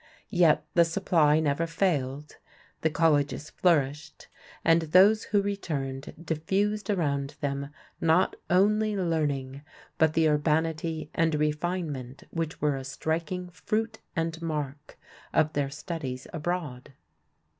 Yet the supply never failed; the colleges flourished; and those who returned diffused around them not only learning but the urbanity and refinement which were a striking fruit and mark of their studies abroad.